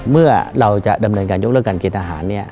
เมื่อเราจะดำเนินการยกเลิกการเกณฑ์ทหาร